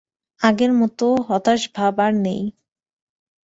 আগের মত হতাশ ভাব আর নেই।